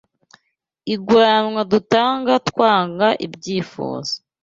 Inguranwa dutanga twanga ibyifuzo